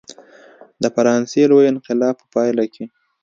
د فرانسې لوی انقلاب په پایله کې.